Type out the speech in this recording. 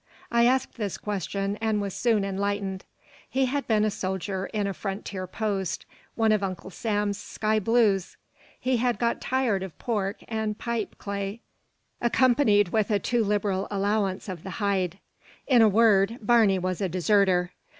I asked this question, and was soon enlightened. He had been a soldier in a frontier post, one of Uncle Sam's "Sky blues." He had got tired of pork and pipe clay, accompanied with a too liberal allowance of the hide. In a word, Barney was a deserter.